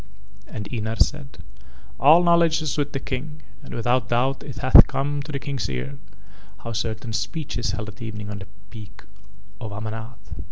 And Ynar said: "All knowledge is with the King, and without doubt it hath come to the King's ears how certain speech is held at evening on the Peak of Amanath.